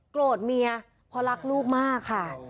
โกรธเมียเพราะรักลูกมากค่ะ